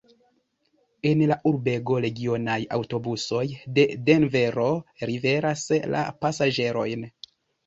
En la urbego regionaj aŭtobusoj de Denvero liveras la pasaĝerojn.